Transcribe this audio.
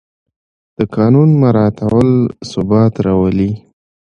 د قانون مراعت ثبات راولي